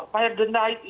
paya denda itu